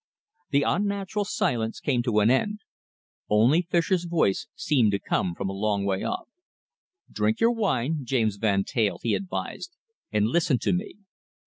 The unnatural silence came to an end. Only Fischer's voice seemed to come from a long way off. "Drink your wine, James Van Teyl," he advised, "and listen to me.